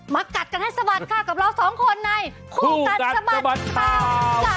มากัดกันให้สวัสดีครับกับเราสองคนในคู่กัดสวัสดีครับเศร้าอาทิตย์